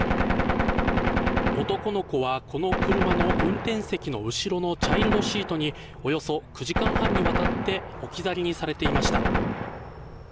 男の子はこの車の運転席の後ろのチャイルドシートにおよそ９時間半にわたって置き去りにされていました。